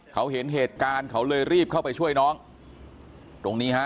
เขาเห็นเหตุการณ์เขาเลยรีบเข้าไปช่วยน้องตรงนี้ฮะ